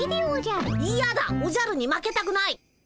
いやだおじゃるに負けたくない。